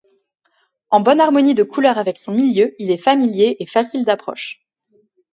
En bonne harmonie de couleur avec son milieu, il est familier et facile d’approche.